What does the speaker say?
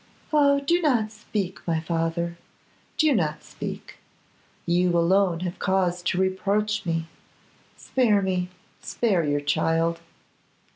'Oh! do not speak, my father. Do not speak. You alone have cause to reproach me. Spare me; spare your child.